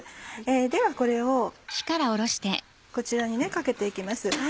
ではこれをこちらにかけて行きます。